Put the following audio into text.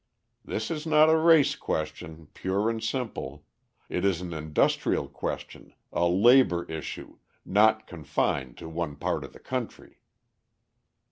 This is not a race question, pure and simple; it is an industrial question, a labour issue, not confined to one part of the country."